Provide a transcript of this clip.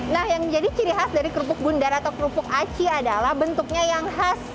nah yang jadi ciri khas dari kerupuk bundar atau kerupuk aci adalah bentuknya yang khas